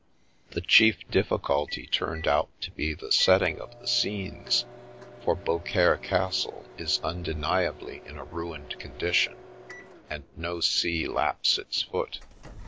The chief difficulty turned out to be the setting of the scenes, for Beaucaire castle is undeniably in a ruined condition, and no sea laps its foot.